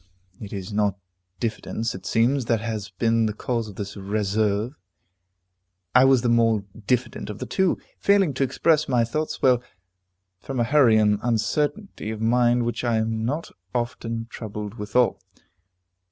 It is not diffidence, it seems, that has been the cause of this reserve; I was the more diffident of the two, failing to express my thoughts well, from a hurry and uncertainty of mind which I am not often troubled withal.